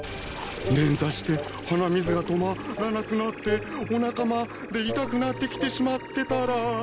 捻挫して鼻水が止まらなくなっておなかまで痛くなってきてしまってたら。